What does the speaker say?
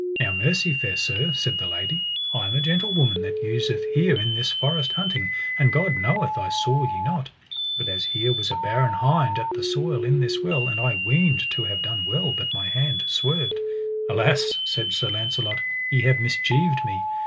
Now mercy, fair sir, said the lady, I am a gentlewoman that useth here in this forest hunting, and God knoweth I saw ye not; but as here was a barren hind at the soil in this well, and I weened to have done well, but my hand swerved. Alas, said Sir Launcelot, ye have mischieved me.